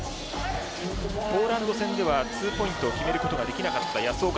ポーランド戦ではツーポイントが決めることができなかった、保岡。